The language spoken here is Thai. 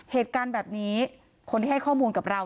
เหตุการณ์แบบนี้คนที่ให้ข้อมูลกับเรา